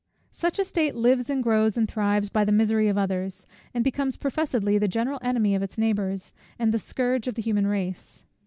Such a state lives, and grows, and thrives, by the misery of others, and becomes professedly the general enemy of its neighbours, and the scourge of the human race.